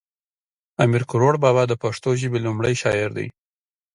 امیر کړوړ بابا د پښتو ژبی لومړی شاعر دی